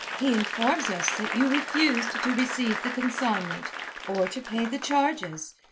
He informs us that you refused to receive the consignment or to pay the charges.